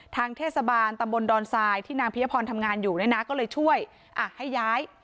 ทางเทศบาลตำบลดอนทรายที่นางพิยพรทำงานอยู่เนี่ยนะก็เลยช่วยอ่ะให้ย้าย